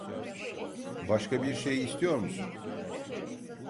Başka bir şey istiyor musun?